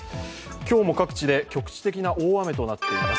今日も各地で局地的な大雨となっています。